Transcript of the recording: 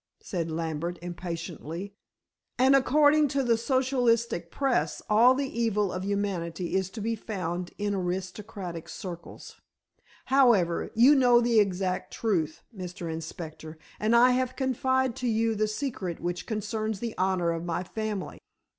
said Lambert impatiently, "and according to the socialistic press all the evil of humanity is to be found in aristocratic circles. However, you know the exact truth, Mr. Inspector, and I have confided to you the secret which concerns the honor of my family.